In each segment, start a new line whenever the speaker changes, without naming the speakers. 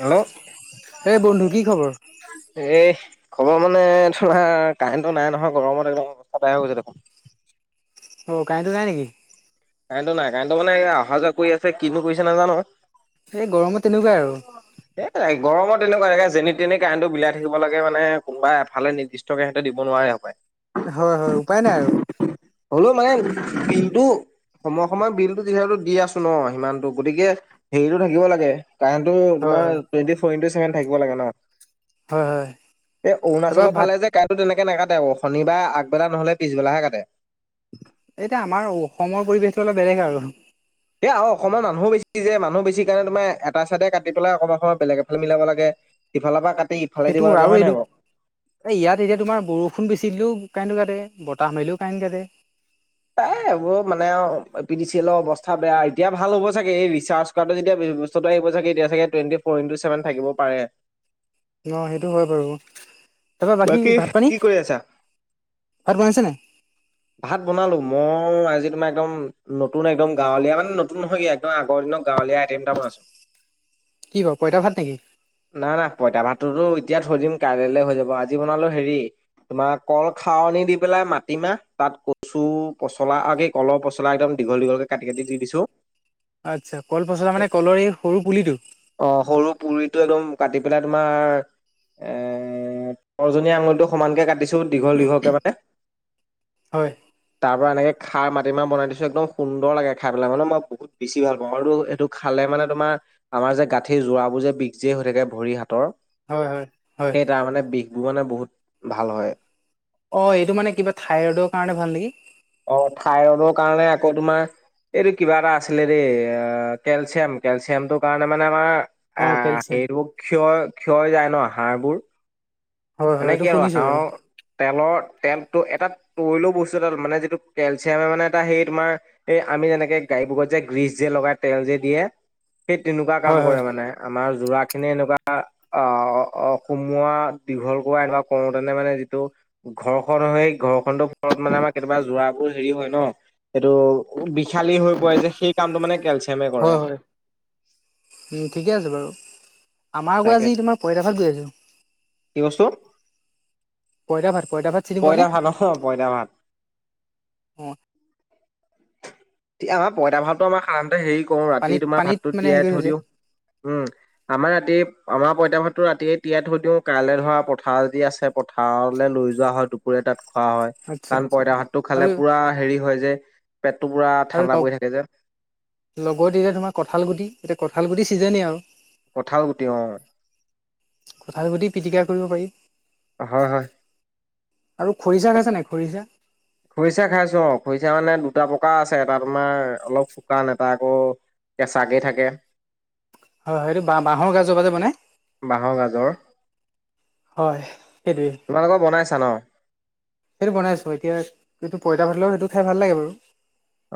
Hello
এ বন্ধু কি খবৰ
এই খবৰ মানে তোমাৰ কাৰেণ্টটো নাই নহয় গৰমত একদম সদায় গৈছে দেখোন
অহ কাৰেণ্টটো নাই নেকি
কাৰেন্টটো নাই কাৰেণ্টো মানে অহা যোৱা কৰি আছে কিনো কৰিছে নাজানো
এই গৰমত তেনেকুৱাই আৰু
এ তে গৰমত তেনেকুৱাই যেনি তেনি কাৰেণ্টো বিলাই থাকিব লাগে মানে কোনোবা এফালে নিৰ্দিষ্ট নিদিষ্টকে হেতে দিব নোৱাৰে ‌হপাই
হয় হয় উপায় নাই আৰু
হ'লো মানে বিলটো সময়ে সময়ে বিলতো যিহেতু দি আছো ন সিমানতো গতিকে হেৰিটো থাকিব লাগে কাৰেণ্টটো
হয়
তোমাৰ
হয়
টুৱেণ্টি ফ'ৰ ইণ্টু চেভেন থাকিব লাগে ন
হয় হয়
এ
তাৰপৰা
অৰুণাচলৰ
ভাত
ফালে যে কাৰেণ্টটো তেনেকে নেকাটে আকৌ শনিবাৰ আগবেলা নহলে পিছবেলাহে কাটে
এতিয়া আমাৰ অসমৰ পৰিৱেশটো অলপ বেলেগ আৰু
সয়া অসমৰ মানুহো বেছি যে মানুহ বেছি কাৰণে তোম এটাাইে কাটি পেলাই অক অসমত বেলেগ এফালে মিলাব লাগে ইফালৰ পৰা ক
সেইটো আৰু এইটো এই ইয়াত এতিয়া তোমাৰ বৰষুণ বেচি দিলেও কাৰেণ্ট কাটে বতাহ মাৰিলেও কাৰেণ্ট কাটে
তাই এইবোৰ মানে পি ডি চি এলৰ অৱস্থা বেয়া এতিয়া ভাল হ'ব চাগে এই ৰিচাৰ্জ টো যেতিয়া ব্যস্তা আহিবাগে এতিয়া চে টুৱেণ্টি ফৰ ইণ্টু ছেভেন থিব পাৰে
ন সেইটো হয় বাৰু তাৰপৰা বাকী ভাত পানী
কি কৰি আছা?
ভাত বনাইছেনোই
ভাত বনালো মই আজি তোমাৰ একদম নতুন একদম গাঁৱলীয়া মানে নতুন নহয় কি আগৰ দিন গৱলীয়া আই তিনিটামান আছো
কি ক পইতা ভাল নেকি
নাই না পইতা ভাতটোতো এতিয়া থৈ দিম কাইলৈ হৈ যাব আজি বনালো হেৰি তোমাৰ কল খাৱনিী দি পেলাই মাটিমাহ তাত কচু পচলা আ কলৰ পচলা একদমীঘল দীঘলক কি কাটি দি দিছো
আচ্ছা কল পচলা মানে কলৰ এই সৰু পুলিটো
অ সৰু পুৰিটো একদম কাটি পেলাই তোমাৰ এ সৰজনী আঙুৰটো সমানকে কাটিছো দীঘল দীঘলকে মানে
হয়
তাৰ পৰাৰা এনেকে খাৰ মাটিমাহ বনাই দিছো একদম সুন্দৰ লাগে খাইেলাই মানে মই বহুত বেছি ভ পা আৰু এইটো খালে মানে তোমাৰ আমাৰ যে গাঁঠি জোৱ বোৰ যে বিগজিয় হৈ থাকে ভৰি হাতৰ
হয় হয় হয়
সেই তাৰমানে বিষবোৰ মানে বহুত ভাল হয়
অ এইটো মানে কিবা থাইৰইডৰ কাৰণে ভাল নেকি
অ থাইৰইডৰ কাৰণে আকৌ তোমাৰ এইটো কিবা এটা আছিলে দেই কেলচিয়াম কেলচিয়ামটোৰ কাৰণে মানে আমাৰ
অ
আহ
কেলচিয়াম
সেইবোৰ ক্ষয় ক্ষয় যায় ন হ়বোৰ
হয় হয়
ননেে
এইটো
কি আৰু
শুনিছো
হা
বাৰু
তেলৰ তেলটো এটাৰিলেও বস্তু এটা মানে যিটো কেলচিয়ামে মানে এটা সেই তোমাৰ এই আমি যেনেকে গাইবোৰকত যে গ্ৰীচ যে লগাই তেল যে দিয়ে সেই তেনেকুৱা কাম
হয় হয়
কৰে মানে আমাৰ যোৰাখিনি এনেকুৱা আহ সুমোৱা দীঘল কৰা এনেকুৱা কওঁতেনে মানে যিটো ঘৰখন সেই ঘৰখননোৰত মানে আমাৰ কেতিয়াবা যোৱ বোৰ হেৰি হয় ন এইটো বিশালী হৈ পৰে যে সেই কামটো মানে কেেলচ
হয় হয় উম ঠিকে আছে বাৰু আমাৰ গ
তাকে
আজি তোমাৰইতাশত গৈ আছো
কি কছোন
কইতা ভাত কইতা ভাত চিনি পোৱা নে
পইতা ভাত অ পইতা ভাত
অ
তি আমাৰ পইতা ভাতটো আমাৰ সাধাৰণতে হেৰি কৰো ৰাতি
পানীত
তোমাৰ
পানীত
ভাতটো
মানে হেৰি
তিয়াই
কৰি
থৈ
থৈছে
দিওঁ উম আমাৰ ৰাতিয় আমাৰ পইতা ভাতো ৰাতিয়ে তিয়াই থৈ দিও কাইলৈ ধৰা পথাৰ যদি আছে পথাৰলৈ লৈ যোৱা হয় ককোৰে তাত খোৱা হয়
আচ্ছা
কাৰণ
আচ্ছা
পইতা ভাতটো খালে
আৰু
পুৰা হেৰি হয় যে পেটটো পুৰা
আৰু
ঠাণ্ডা পৰি থাকে যে
লগ লগত এতিয়া তোমাৰ কঁঠাল গুটি এতিয়া কঁঠাল গুটি ছিজনেই আৰু
কঠও গোটেই অ
কোঠাৰ গ পিটিকা কৰিব পাৰি
হয় হয়
আৰু খৰিচা খাইছে নাই খৰিচা
খৰিচা খাইছো অ খৰিচা মানে দুটা প্ৰকাৰ আছে এটা তোমাৰ অলপ শুকান এটা আকৌ কেঁচাকেই থাকে।
হয় সেইটো বা বাঁহৰ গাজৰ পৰা বনাই।
বাঁহৰ গাজৰ।
হয় সেইটোৱে।
তোমালোকৰ বনাইছা ন!
সেইটো বনাইছোঁ এতিয়া কিন্তটো পইতা ভাতৰ লগত সেইটো খাই ভাল লাগে বাৰু।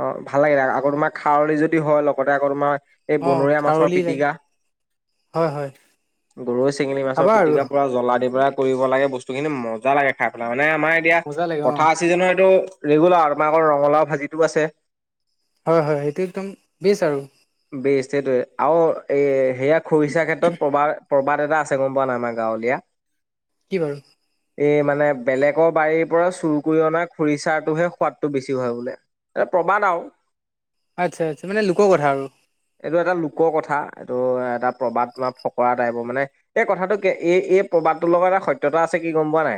অ ভাল লাগিলে আকৌ তোমাৰ খাৰলি যদি হয় লগতে আকৌ তোমাৰ। এই
অ
বনৰীয়া মাছৰ
খাৰলি লাগে
পিটিকা।
হয় হয়।
গৰৈ চেঙেলী মাছৰ
খাবা আৰু
পিটিকাৰ পৰা জ্বলা দিবা। কৰিব লাগে বস্তু খিনি মজা লাগে খাই পেলাই মানে আমাৰ এতিয়া
মজা লাগে অ
পথাৰ চিজনৰ এইটো ৰেগুলাৰ আমাকৰ ৰঙাও ভাজিতো আছে।
হয় হয় সেইটো একদম বচ আৰু।
বেছ সেইটোৱে আৰু এ সেয়া খৰিচাৰ ক্ষেত্ৰত প্ৰবাদ প্ৰবাদ এটা আছে। আছে গম পোৱা নাই আমাৰ গাঁৱলীয়া।
কি বাৰু?
এই মানে বেলেগৰ বাৰীৰ পৰা চুৰ কৰি অনা খৰিচাৰটোহে সোৱাদটো বেছি হয় বোলে। এ প্ৰবাাদ আও।
আচ্ছা আচ্ছা মানে লোকৰ কথা আৰু।
এইটো এটা লোকৰ কথা এইটো এটা প্ৰবাদ তোমাৰ ফকৰা টাইপৰ মানে এই কথাটো কে এই এই প্ৰবাদটোৰ লগত এটা সত্যতা আছে কি গম পোৱা নাই!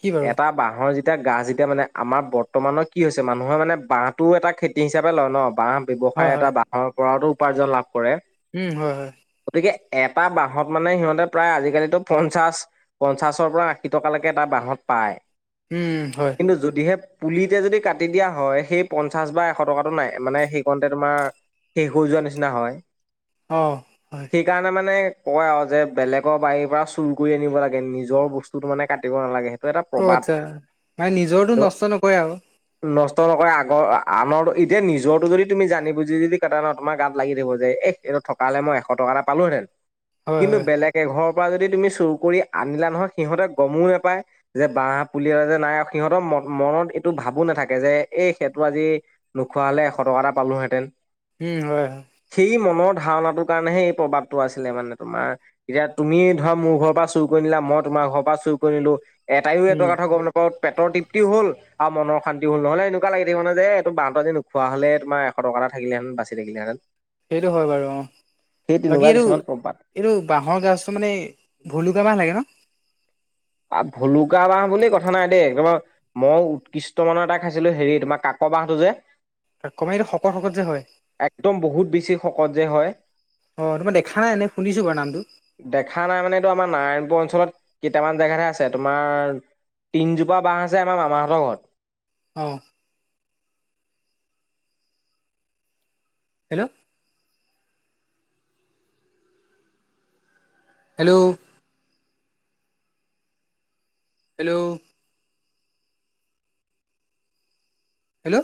কি বাৰু
এটা বাঁহৰ যিটো এতিয়া গাছ যেতিয়া মানে আমাৰ বৰ্তমানৰ কি হৈছে মানুহে মানে বাহটোও এটা খেতি হিচাপে লয় ন বাঁহ
হয়
ব্যৱসায় এটা
হয়
বাহিৰৰ পৰাতো উপাৰ্জন লাভ কৰে।
উম হয় হয়।
গতিকে এটা বাঁহত মানে সিহঁতে প্ৰায় আজিকালিতো পঞ্চাশ পঞ্চাশৰ পৰা আশী টকালৈকে এটা বাঁহত পায়।
উম হয়।
কিন্তু যদিহে পুলিতে যদি কাটি দিয়া হয় সেই পঞ্চাছ বা এশ টকাটো নাই মানে সেইকণতে তোমাৰ শেষ হৈ যোৱাৰ নিচিনা হয়।
অৱ, হয়।
সেইকাৰণে মানে কয় আৰু যে বেলেগৰ বাৰীৰ পৰা চুৰ কৰি আনিব লাগে নিজৰ বস্তুটো মানে কাটিব নালাগে। এটা
অ
প্ৰবাদ
আচ্ছা, মানে নিজৰটো নষ্ট নকৰে আৰু।
নষ্ট নকৰে আগৰ আনৰ, এতিয়া নিজৰটো যদি তুমি জানি বুজি যদি কেইটান তোমাৰ গাত লাগি থাকিব যে এহ এইটো থকাে মই এশ টকা এ পালোহেতেন,
হয়,
কিন্তু
হয়
বেলেগ কেঘৰৰ পৰা যদি তুমি চুৰ কৰি আনিলা নহয় সিহঁতে গমো নোপায় যে বাঁহ পুলি এটা যে নাই সিহঁতৰ ম মনত এইটো ভাবো নাথাকে যে এই সেইটো আজি নোখোৱা হলে এশ টকা এটা পালোহেঁতেন।
উম হয়।
সেই মনৰ ধাৰণাটোৰ কাৰণেহে এই প্ৰভাৱটো আছিলে মানে তোমাৰ এতিয়া তুমি ধৰা মোৰ ঘৰৰ পৰা চুৰ কৰি নিলা মই তোমাৰ ঘৰৰ পৰা চুৰ কৰি নিলো এটাইও
উম,
এটা কথা গম নেপাওঁ পেটৰ তৃপ্তিও হ'ল। আৰু মনৰ শান্তিও হ'ল নহলে এনেকুৱা লাগি থাকিব নে যে এইটো বাঁহ নোখোৱা হলে তোমাৰ এশ টকা এটা থাকিলে হেতেন বাচি বাচি থাকিলে হেতেন।
সেইটো হয় বাৰু অৱ বাকী
তেনেকুৱা
এইটো
কিছুমান প্ৰবাদ
এইটো বাঁহৰ গাজটো মানে ভুলুকা বাঁহ লাগে ন?
ভুলুকা বাঁহ বুলি কথা নাই দেই, তাৰ পা - মই উৎকৃষ্ট মানৰ এটা খাইছিলো হেৰি তোমাৰ কাক বাহটো যে -
কাক বাঁহ সেইটো শকত শকত যে হয়!
একদম বহুত বেছি শকত যে হয়।
অঁ তোমাৰ দেখা নাই এনে শুনিছো বাৰু নামটো।
দেখা নাই মানে এইটো আমাৰ নাৰায়ণপুৰ অঞ্চলত কেইটামান - জেগাতে আছে তোমাৰ তিনজোপা বাঁহ আছে আমাৰ মামাহঁতৰ ঘৰত।
অ। Hello hello hello hello